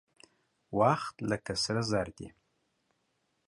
وخت لکه سره زر دى.